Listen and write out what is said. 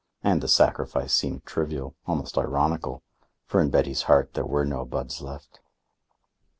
And the sacrifice seemed trivial, almost ironical; for in Betty's heart there were no buds left.